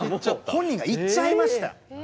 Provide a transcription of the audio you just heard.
本人が行っちゃいました。